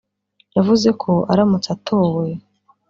yavuze ko aramutse atowe